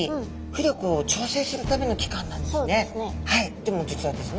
でも実はですね